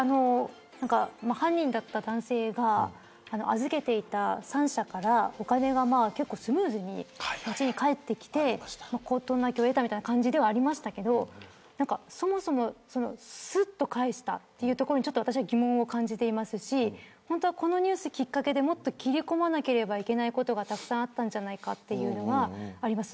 犯人だった男性が預けていた３者からお金がスムーズに返ってきて、事なきを得たみたいな感じでしたがそもそも、すっと返したというところに疑問を感じていますしこのニュースがきっかけで切り込まなければいけないことがたくさんあったんじゃないかというのがあります。